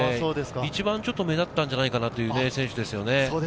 一番目立ったんじゃないかなという選手ですよね。